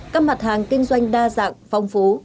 các mặt hàng kinh doanh đa dạng phong phú